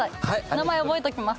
名前覚えときます。